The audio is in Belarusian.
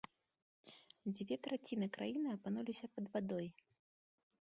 Дзве траціны краіны апынуліся пад вадой.